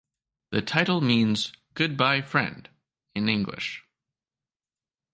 The title means "Goodbye Friend" in English.